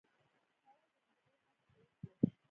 سړي د نجلۍ مټ پرېښود.